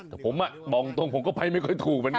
แต่ผมบอกตรงผมก็ไปไม่ค่อยถูกเหมือนกัน